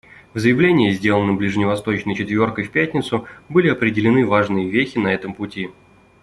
В заявлении, сделанным ближневосточной «четверкой» в пятницу, были определены важные вехи на этом пути.